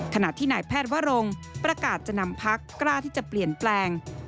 ขณะที่นายแพทย์วรงประกาศจะนำพักกล้าที่จะเปลี่ยนแปลง